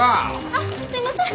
あっすいません。